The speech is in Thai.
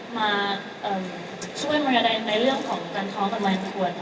มาช่วยเมรียในเรื่องของการท้องกันมากขึ้น